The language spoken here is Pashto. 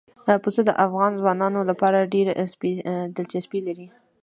پسه د افغان ځوانانو لپاره ډېره دلچسپي لري.